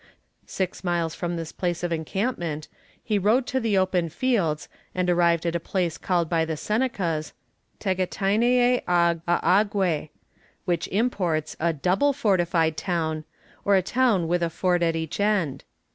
Six miles from this place of encampment, he rode to the open fields, and arrived at a place called by the Senecas Tegatàinèáaghgwe, which imports a double fortified town, or a town with a fort at each end.